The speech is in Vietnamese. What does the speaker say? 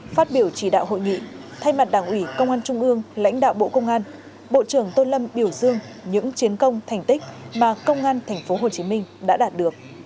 phát biểu chỉ đạo hội nghị thay mặt đảng ủy công an trung ương lãnh đạo bộ công an bộ trưởng tô lâm biểu dương những chiến công thành tích mà công an tp hcm đã đạt được